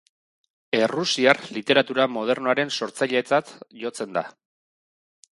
Errusiar literatura modernoaren sortzailetzat jotzen da.